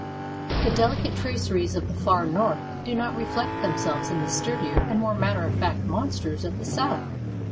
The delicate traceries of the far North do not reflect themselves in the sturdier and more matter of fact monsters of the South.